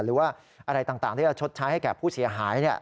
หรือว่าอะไรต่างที่จะชดใช้ให้แก่ผู้เสียหาย